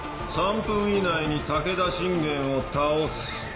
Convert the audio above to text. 「３分以内に武田信玄を倒す」。